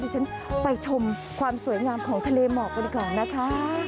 ฉันไปชมความสวยงามของทะเลหมอกกันก่อนนะคะ